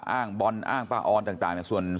อ้างบอลอ้างป้าอร์นต่างส่วนซะ